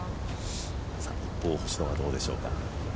一方、星野はどうでしょうか。